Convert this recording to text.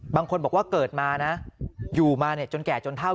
บางคนบอกว่าเกิดมานะอยู่มาเนี่ยจนแก่จนเท่า